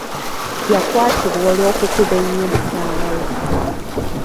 Yakwatibwa olw'okukuba ennyo mukyala we.